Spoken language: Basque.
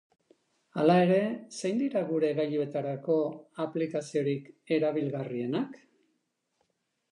Hala ere, zein dira gure gailuetarako aplikaziorik erabilgarrienak?